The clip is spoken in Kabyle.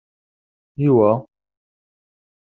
Iwa?